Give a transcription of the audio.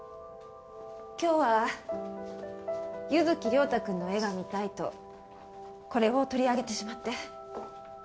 今日は柚木涼太くんの絵が見たいとこれを取り上げてしまって。